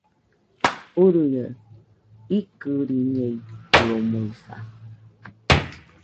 Uruia, ikɨriñeitɨomoɨsa